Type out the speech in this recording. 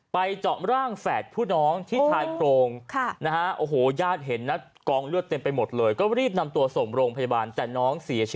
ไปจอมร่างแฝดผู้น้องที่ท้ายโกรง